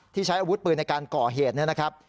ใช้อาวุธปืนในการก่อเหตุนะครับ